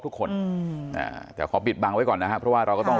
ทุกคนอืมอ่าแต่ขอปิดบังไว้ก่อนนะฮะเพราะว่าเราก็ต้อง